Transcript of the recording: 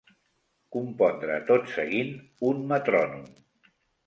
Compondre tot seguint un metrònom.